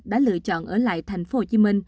đã lựa chọn ở lại tp hcm